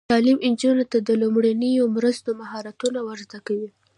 تعلیم نجونو ته د لومړنیو مرستو مهارتونه ور زده کوي.